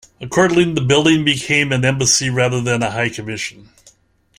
Accordingly, the building became an Embassy, rather than a High Commission.